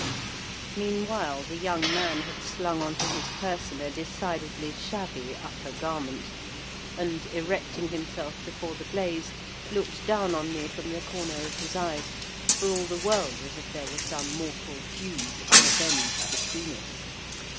Meanwhile, the young man had slung on to his person a decidedly shabby upper garment, and, erecting himself before the blaze, looked down on me from the corner of his eyes, for all the world as if there were some mortal feud unavenged between us.